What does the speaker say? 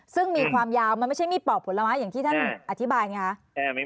ซึ่งมีความยาวมันไม่ใช่มีดเปลาบผลว้างอย่างที่ครับอธิบายอย่างนี้